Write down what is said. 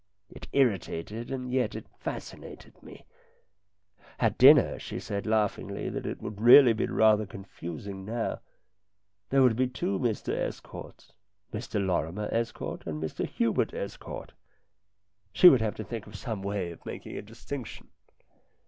It irritated, and yet it fascinated me. At dinner she said laugh ingly that it would really be rather confusing now ; there would be two Mr Estcourts Mr Lorrimer Estcourt and Mr Hubert Estcourt. She would have to think of some way of making a distinction.